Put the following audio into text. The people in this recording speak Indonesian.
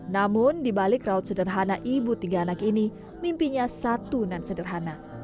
namun dibalik raut sederhana ibu tiga anak ini mimpinya satu dan sederhana